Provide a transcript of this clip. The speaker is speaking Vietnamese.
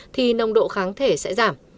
thì nông độ kháng thể sẽ giảm